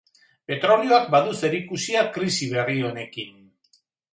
Petrolioak badu zerikusia krisi berri honekin.